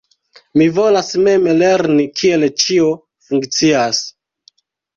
Mi volas mem lerni kiel ĉio funkcias.